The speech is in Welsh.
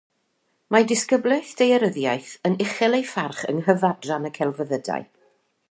Mae disgyblaeth daearyddiaeth yn uchel ei pharch yng Nghyfadran y Celfyddydau.